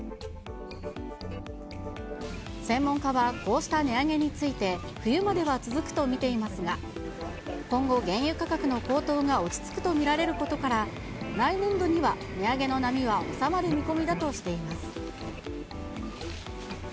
専門家はこうした値上げについて、冬までは続くと見ていますが、今後、原油価格の高騰が落ち着くと見られることから、来年度には値上げの波は収まる見込みだとしています。